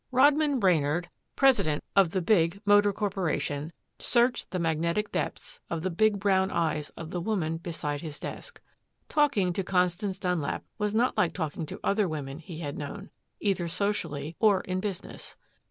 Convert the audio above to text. Rodman Brainard, president of the big Motor Corporation, searched the magnetic depths of the big brown eyes of the woman beside his desk. Talking to Constance Dunlap was not like talking to other women he had known, either socially or in business.